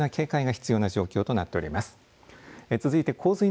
厳重な警戒が必要な状況となっております。